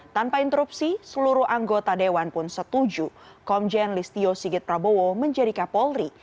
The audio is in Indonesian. tanpa interupsi seluruh anggota dewan pun setuju komjen listio sigit prabowo menjadi kapolri